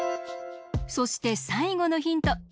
そしてさいごのヒント